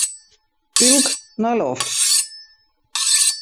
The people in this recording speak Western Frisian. Pylk nei lofts.